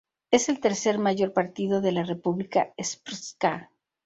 Es el tercer mayor partido de la República Srpska.